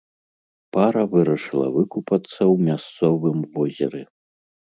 Пара вырашыла выкупацца ў мясцовым возеры.